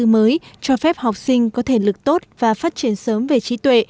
thứ nhất cho phép học sinh có thể lực tốt và phát triển sớm về trí tuệ